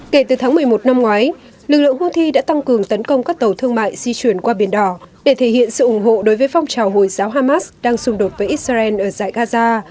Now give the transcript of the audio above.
kể từ tháng một mươi một năm ngoái lực lượng houthi đã tăng cường tấn công các tàu thương mại di chuyển qua biển đỏ để thể hiện sự ủng hộ đối với phong trào hồi giáo hamas đang xung đột với israel ở dãy gaza